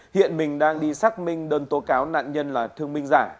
hiện mình đang đi xác minh đơn tố cáo nạn nhân là thương minh giả